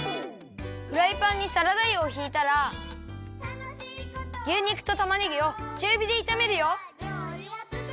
フライパンにサラダ油をひいたら牛肉とたまねぎをちゅうびでいためるよ。